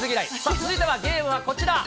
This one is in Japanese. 続いてのゲームはこちら。